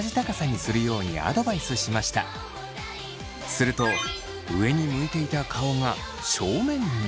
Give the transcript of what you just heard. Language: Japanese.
すると上に向いていた顔が正面に。